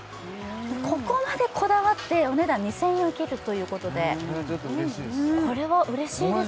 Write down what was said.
ここまでこだわってお値段２０００円を切るということでこれはちょっと嬉しいです